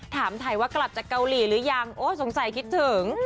ถามถ่ายว่ากลับจากเกาหลีหรือยังโอ้สงสัยคิดถึง